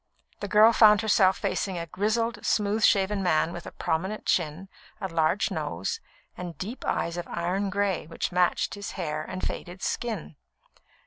The girl found herself facing a grizzled, smooth shaven man with a prominent chin, a large nose, and deep eyes of iron grey which matched his hair and faded skin.